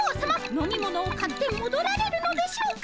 飲み物を買ってもどられるのでしょうか！